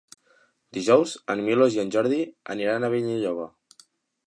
Dijous en Milos i en Jordi aniran a Benilloba.